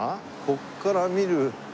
ここから見る。